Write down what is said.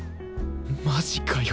マジかよ。